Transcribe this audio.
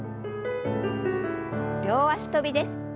両脚跳びです。